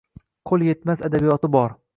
Qo’l yetmas adabiyoti bor